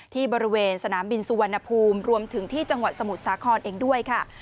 ที่บริเวณสนามบินสุวรรณภูมิรวมถึงที่จังหวัดสมุทรสาครเองด้วยค่ะ